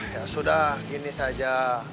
ya sudah gini saja